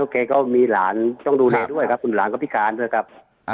แกก็มีหลานต้องดูแลด้วยครับคุณหลานก็พิการด้วยครับ